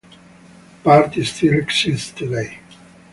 The party still exists today.